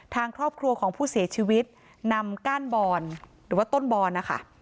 ทางครอบครัวของผู้เสียชีวิตนำก้านบอนหรือว่าต้นบอนนะคะ